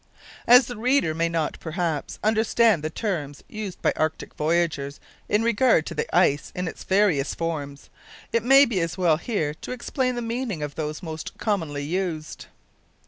As the reader may not, perhaps, understand the terms used by Arctic voyagers in regard to the ice in its various forms, it may be as well here to explain the meaning of those most commonly used.